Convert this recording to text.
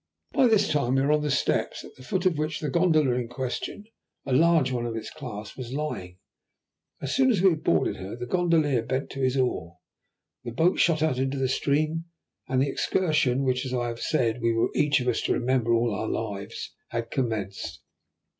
By this time we were on the steps, at the foot of which the gondola in question, a large one of its class, was lying. As soon as we had boarded her the gondolier bent to his oar, the boat shot out into the stream, and the excursion, which, as I have said, we were each of us to remember all our lives, had commenced.